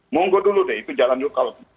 monggo dulu deh itu jalan dulu kalau